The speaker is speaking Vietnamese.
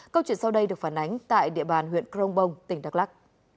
câu chuyện sau đây được phản ánh tại địa bàn huyện crong bông tỉnh đắk lắc